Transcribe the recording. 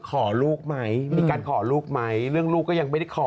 ขอลูกไหมมีการขอลูกไหมเรื่องลูกก็ยังไม่ได้ขอ